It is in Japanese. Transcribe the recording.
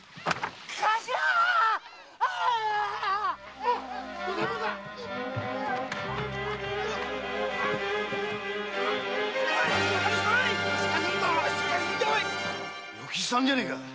頭ァ‼与吉さんじゃねえか！